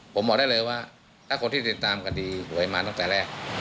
ผมบอกได้เลยว่าถ้าคนที่ติดตามคดีหวยมาตั้งแต่แรก